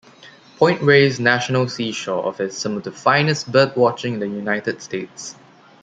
Point Reyes National Seashore offers some of the finest birdwatching in the United States.